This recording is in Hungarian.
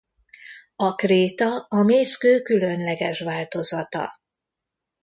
A kréta a mészkő különleges változata.